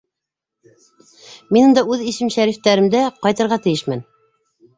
Мин унда үҙ исем-шәрифтәремдә ҡайтырға тейешмен.